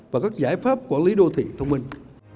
và các giải pháp quản lý đô thị thông minh